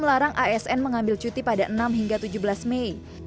melarang asn mengambil cuti pada enam hingga tujuh belas mei